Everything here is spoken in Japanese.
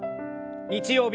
日曜日